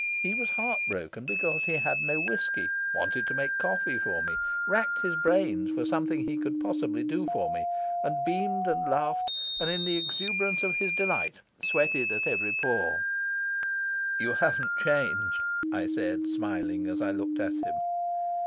He was heart broken because he had no whisky, wanted to make coffee for me, racked his brain for something he could possibly do for me, and beamed and laughed, and in the exuberance of his delight sweated at every pore. "You haven't changed," I said, smiling, as I looked at him.